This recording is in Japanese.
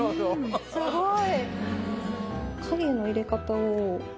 すごい。